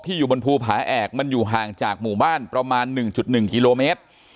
ที่อยู่บนภูผาแอกมันอยู่ห่างจากหมู่บ้านประมาณหนึ่งจุดหนึ่งกิโลเมตร